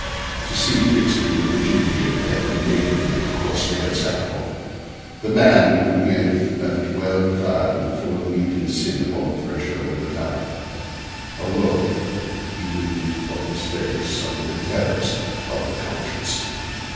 To see, fixed in the rigidity of death and naked on that coarse layer of sackcloth, the man whom he had left well clad and full of meat and sin upon the threshold of a tavern, awoke, even in the thoughtless Fettes, some of the terrors of the conscience.